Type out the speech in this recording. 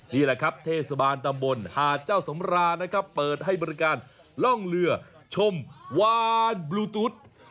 นี่แหละครับเทศบาลตำบลหาดเจ้าสำรานะครับเปิดให้บริการล่องเรือชมวานบลูตุ๊ด